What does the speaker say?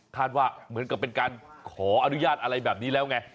ว่าเหมือนกับเป็นการขออนุญาตอะไรแบบนี้แล้วไง